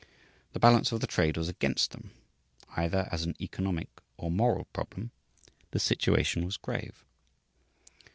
The balance of the trade was against them. Either as an economic or moral problem, the situation was grave.